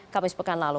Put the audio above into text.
kamis pekan lalu